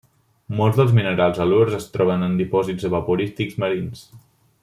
Molts dels minerals halurs es troben en dipòsits evaporítics marins.